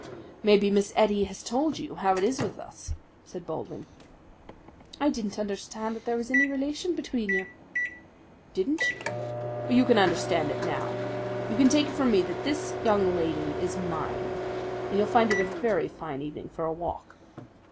"Maybe Miss Ettie has told you how it is with us?" said Baldwin. "I didn't understand that there was any relation between you." "Didn't you? Well, you can understand it now. You can take it from me that this young lady is mine, and you'll find it a very fine evening for a walk."